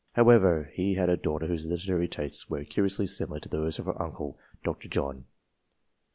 However, he had a daughter whose literary tastes were curiously similar to those of her uncle, Dr. John.